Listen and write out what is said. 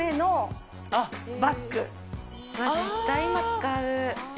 絶対今使う。